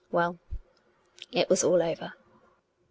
Well; it was all over. .